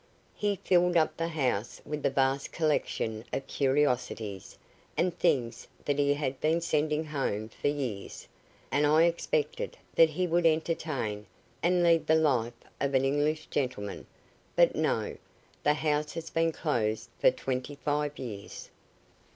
He filled up the house with the vast collection of curiosities and things that he had been sending home for years, and I expected that he would entertain, and lead the life of an English gentleman; but no, the house has been closed for twenty five years."